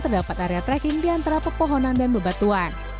terdapat area trekking di antara pepohonan dan bebatuan